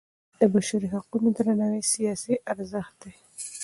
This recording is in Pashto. د بشري حقونو درناوی سیاسي ارزښت دی